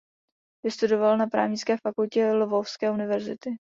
Vystudoval na právnické fakultě Lvovské univerzity.